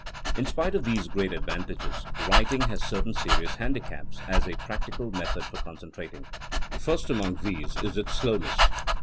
In spite of these great advantages, writing has certain serious handicaps as a practical method for concentrating. First among these is its slowness.